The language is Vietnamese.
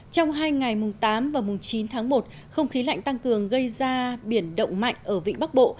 trong hai ngày mùng tám và mùng chín tháng một không khí lạnh tăng cường gây ra biển động mạnh ở vịnh bắc bộ